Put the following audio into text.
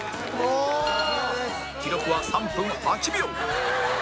記録は３分８秒！